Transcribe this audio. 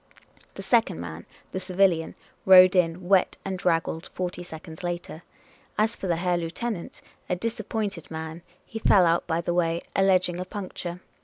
The second man, the civilian, rode in, wet and draggled, forty seconds later. As for the Herr Lieutenant, a disap pointed man, he fell out by the way, alleging a puncture.